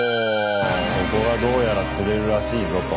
そこがどうやら釣れるらしいぞと。